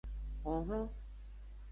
Honhlon.